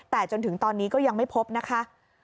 แต่จนถึงตอนนี้ก็ยังไม่พบนะคะ